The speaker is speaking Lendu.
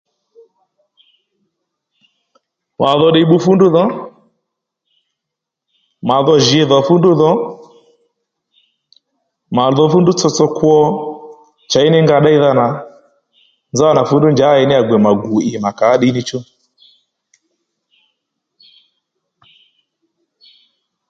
Mà dho ddiy bbu fúndrǔ dho mà dho jǐ dhò fúndrǔ dho mà dho fúndrǔ tsotso kwo chěy ní nga ddéydha nà nzánà fúndrǔ njǎ nyi gbè mà gù ì mà kàó ddiy níchú